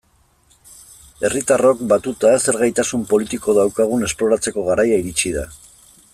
Herritarrok, batuta, zer gaitasun politiko daukagun esploratzeko garaia iritsi da.